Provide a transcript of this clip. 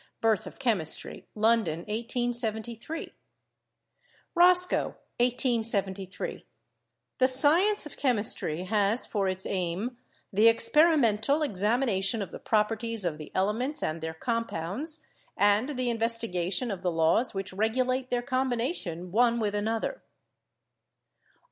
("Birth of Chemistry," London, 1873.) Roscoe (1873). "The science of chemistry has for its aim the experimental examination of the properties of the elements and their compounds, and the investi gation of the laws which regulate their combination one with another."